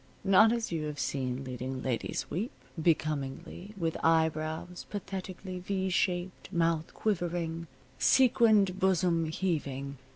Not as you have seen leading ladies weep, becomingly, with eyebrows pathetically V shaped, mouth quivering, sequined bosom heaving.